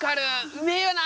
うめえよな。